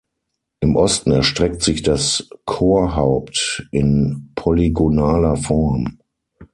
Im Osten erstreckt sich das Chorhaupt in polygonaler Form.